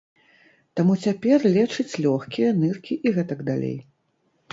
Таму цяпер лечаць лёгкія, ныркі і гэтак далей.